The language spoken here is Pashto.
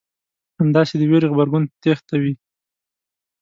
همداسې د وېرې غبرګون تېښته وي.